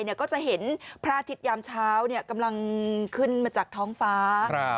ก็จะเห็นพระอาทิตยามเช้ากำลังขึ้นมาจากท้องฟ้า